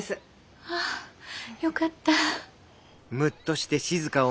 ああよかった。